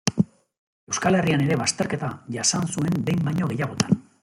Euskal Herrian ere bazterketa jasan zuen behin baino gehiagotan.